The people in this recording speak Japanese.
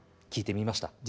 聞いてみました。